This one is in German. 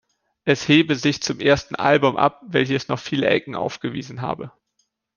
Es hebe sich zum ersten Album ab, welches noch viele „Ecken“ aufgewiesen habe.